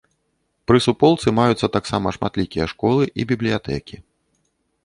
Пры суполцы маюцца таксама шматлікія школы і бібліятэкі.